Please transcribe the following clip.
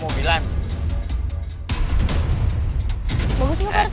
bagus nih pak rt